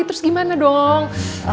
terus gimana dong